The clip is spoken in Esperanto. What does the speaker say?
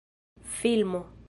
filmo